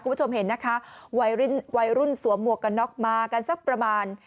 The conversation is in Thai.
คุณผู้ชมเห็นนะคะวัยรุ่นวัยรุ่นสวมหมวกกันน็อกมากันสักประมาณ